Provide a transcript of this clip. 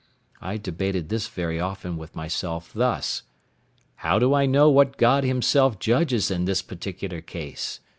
I debated this very often with myself thus: "How do I know what God Himself judges in this particular case?